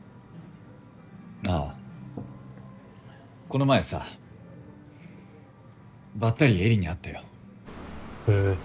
ああこの前さバッタリ絵里に会ったよ。へ